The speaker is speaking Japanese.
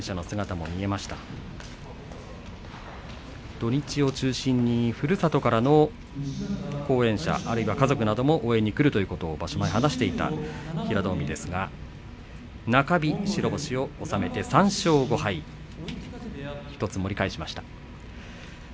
土日を中心にふるさとからの後援者あるいは家族なども来ると話していた平戸海中日に白星を収めて３勝５敗１つ盛り返しました。